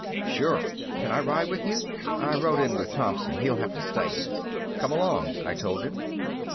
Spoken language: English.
"Sure. Can I ride with you? I rode in with Thompson; he'll have to stay." "Come along," I told him.